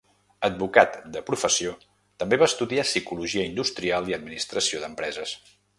Advocat de professió, també va estudiar psicologia industrial i administració d'empreses.